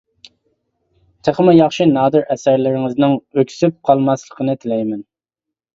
تېخىمۇ ياخشى نادىر ئەسەرلىرىڭىزنىڭ ئۆكسۈپ قالماسلىقىنى تىلەيمەن.